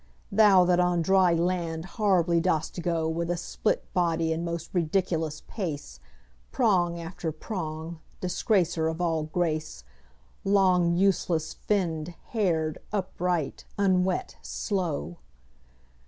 Thou that on dry land horribly dost go With a split body and most ridiculous pace, Prong after prong, disgracer of all grace, Long useless finned, haired, upright, unwet, slow!